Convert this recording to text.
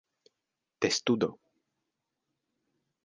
testudo